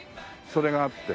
それがあって。